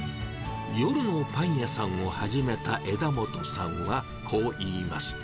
夜のパン屋さんを始めた枝元さんは、こう言います。